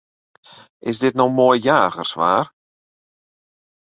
Is dit no moai jagerswaar?